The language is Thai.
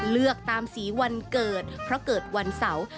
เลือกตามสีวันเกิดเพราะเกิดวันเสาร์